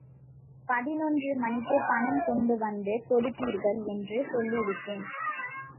பதினொன்று மணிக்கு பணம் கொண்டு வந்து கொடுப்பீர்கள் என்று சொல்லிவிட்டேன்.